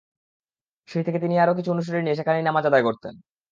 সেই থেকে তিনি আরও কিছু অনুসারী নিয়ে সেখানেই নামাজ আদায় করতেন।